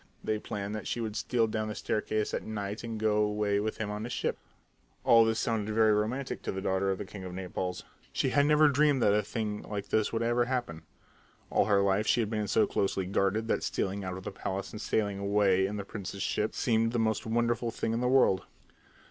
They planned that she should steal down the staircase at night and go away with him on his ship. All this sounded very romantic to the daughter of the king of Naples. She had never dreamed that a thing like this would ever happen. All her life she had been so closely guarded that stealing out of the palace and sailing away in the prince's ship seemed the most wonderful thing in the world.